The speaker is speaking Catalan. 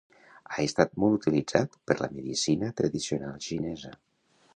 Ha estat molt utilitzat per la medicina tradicional xinesa.